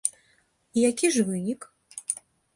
І які ж вынік?